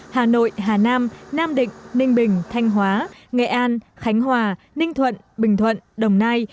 hà nội hà nam nam định ninh bình thanh hóa nghệ an khánh hòa ninh thuận bình thuận đồng nai